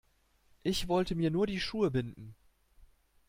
Ich wollte mir nur die Schuhe binden.